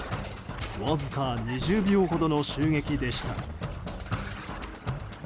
わずか２０秒ほどの襲撃でした。